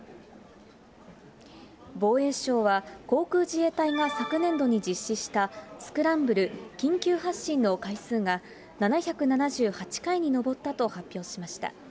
防衛省は航空自衛隊が昨年度に実施した、スクランブル・緊急発進の回数が、７７８回に上ったと発表しました。